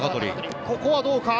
ここはどうか。